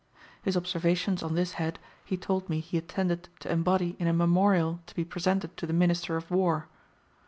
His observations on this head he told me he intended to embody in a memorial to be presented to the Minister of War.